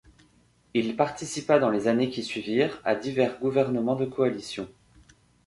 Il participa dans les années qui suivirent à divers gouvernements de coalition.